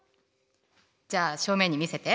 じゃあ正面に見せて。